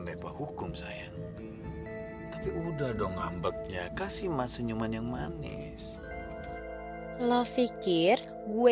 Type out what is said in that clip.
refah hukum sayang tapi udah dong ngambek ya kasih mas senyuman yang manis lo pikir gue